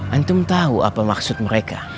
antum tahu apa maksud mereka